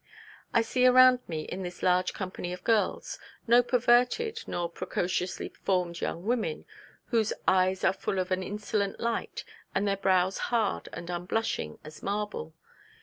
I see around me in this large company of girls, no 'perverted' nor precociously formed young women, whose 'eyes are full of an insolent light, and their brows hard and unblushing as marble.'